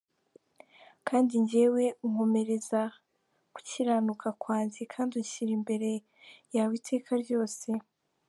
Kandi jyeweho unkomereza gukiranuka kwanjye, Kandi unshyira imbere yawe iteka ryose.